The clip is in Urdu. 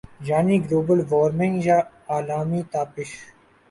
یعنی گلوبل وارمنگ یا عالمی تپش